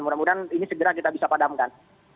mudah mudahan ini segera kita bisa padamkan